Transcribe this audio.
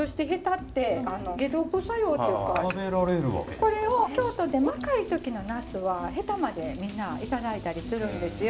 これを京都で若い時のナスはヘタまでみんな頂いたりするんですよ。